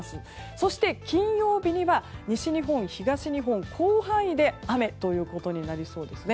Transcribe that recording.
そして金曜日には西日本、東日本の広範囲で雨ということになりそうですね。